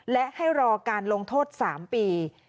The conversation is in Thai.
และให้รอการลงโทษ๓ปี